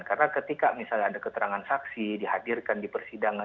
karena ketika misalnya ada keterangan saksi dihadirkan di persidangan